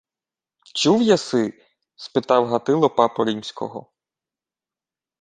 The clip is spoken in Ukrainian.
— Чув єси? — спитав Гатило папу римського.